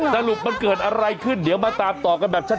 สรุปมันเกิดอะไรขึ้นเดี๋ยวมาตามต่อกันแบบชัด